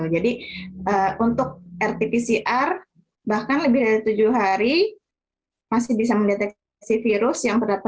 jadi untuk rt pcr bahkan lebih dari tujuh hari masih bisa mendeteksi virus